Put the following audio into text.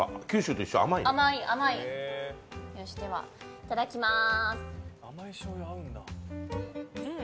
いただきます。